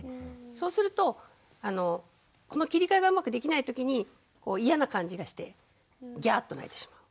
そうするとこの切り替えがうまくできない時に嫌な感じがしてギャーッと泣いてしまう。